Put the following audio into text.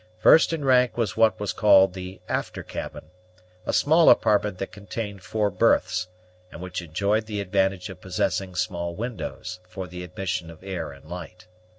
First in rank was what was called the after cabin, a small apartment that contained four berths, and which enjoyed the advantage of possessing small windows, for the admission of air and light.